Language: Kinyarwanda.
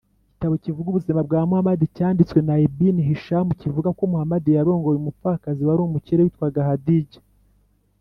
igitabo kivuga ubuzima bwa muhamadi cyanditswe na ibn-hishām kivuga ko muhamadi yarongoye umupfakazi wari umukire witwaga khadījah